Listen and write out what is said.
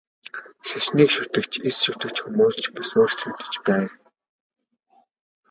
Шашныг шүтэгч, эс шүтэгч хүмүүс ч бас өөрчлөгдөж байна.